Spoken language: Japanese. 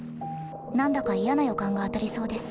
何だか嫌な予感が当たりそうです。